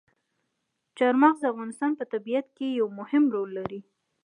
چار مغز د افغانستان په طبیعت کې یو مهم رول لري.